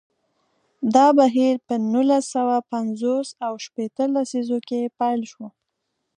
دا بهیر په نولس سوه پنځوس او شپیته لسیزو کې پیل شو.